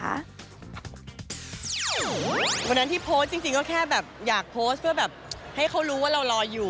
เพราะฉะนั้นที่โพสต์จริงก็แค่อยากโพสต์เพื่อให้เขารู้ว่าเรารออยู่